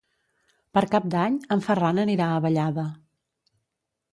Per Cap d'Any en Ferran anirà a Vallada.